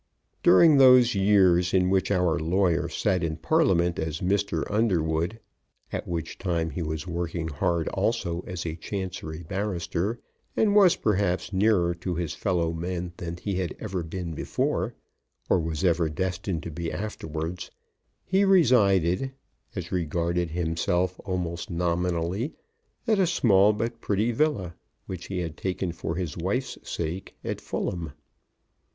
During those years in which our lawyer sat in Parliament as Mr. Underwood, at which time he was working hard also as a Chancery barrister, and was, perhaps, nearer to his fellow men than he had ever been before, or was ever destined to be afterwards, he resided, as regarded himself almost nominally, at a small but pretty villa, which he had taken for his wife's sake at Fulham.